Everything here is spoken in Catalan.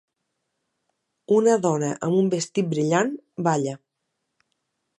Una dona amb un vestit brillant balla.